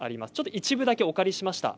一部だけお借りしました。